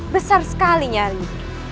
besar sekali nyari